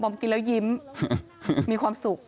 กินแล้วยิ้มมีความสุข